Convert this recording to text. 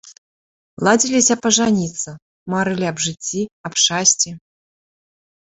Ладзіліся пажаніцца, марылі аб жыцці, аб шчасці.